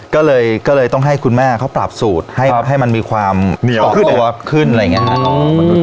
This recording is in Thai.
ก็เลยก็เลยต้องให้คุณแม่เขาปราบสูตรครับให้ให้มันมีความเหนียวขึ้นอะไรอย่างเงี้ย